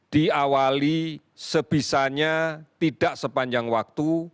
diawali sebisanya tidak sepanjang waktu